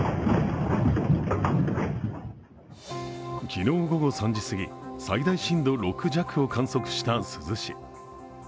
昨日午後３時すぎ、最大震度６弱を観測した珠洲市。